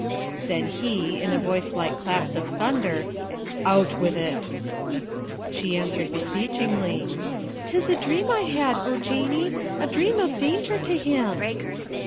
Then he, in a voice like claps of thunder, 'Out with it!' She answered beseechingly, ''Tis a dream I had, O Genie; a dream of danger to him.'